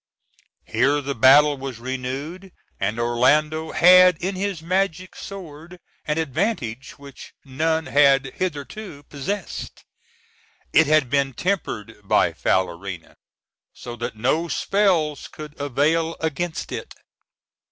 Here the battle was renewed, and Orlando had in his magic sword an advantage which none had hitherto possessed. It had been tempered by Falerina so that no spells could avail against it.